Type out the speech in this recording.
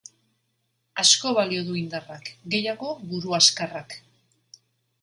Asko balio du indarrak, gehiago buru azkarrak.